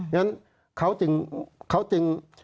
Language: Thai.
อย่างนั้นเขาจึง